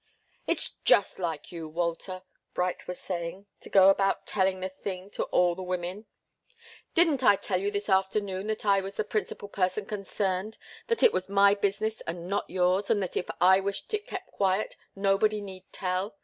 "It's just like you, Walter," Bright was saying, to go about telling the thing to all the women. Didn't I tell you this afternoon that I was the principal person concerned, that it was my business and not yours and that if I wished it kept quiet, nobody need tell?